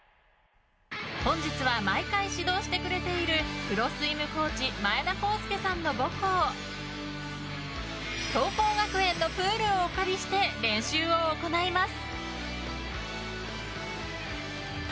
本日は毎回指導してくれているプロスイムコーチ前田康輔さんの母校桐光学園のプールをお借りして練習を行います。